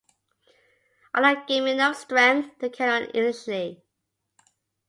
All that gave me enough strength to carry on initially.